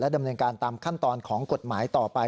ดำเนินการตามขั้นตอนของกฎหมายต่อไป